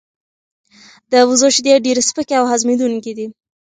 د وزو شیدې ډیر سپکې او هضمېدونکې دي.